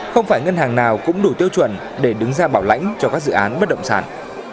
không phải ngân hàng nào cũng đủ tiêu chuẩn để đứng ra bảo lãnh cho các dự án bất động sản